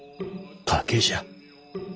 賭けじゃ。